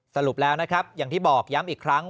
สรุปแล้วนะครับอย่างที่บอกย้ำอีกครั้ง